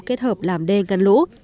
kết hợp làm đê ngăn lũ